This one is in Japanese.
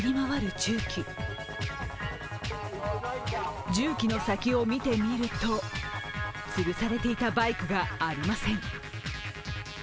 重機の先を見てみると、つるされていたバイクがありません。